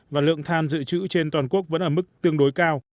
và lượng than dự trữ trên toàn quốc vẫn ở mức tương đối cao